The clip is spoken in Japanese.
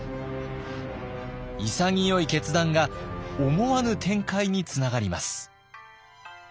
潔い決断が思わぬ展開につながります。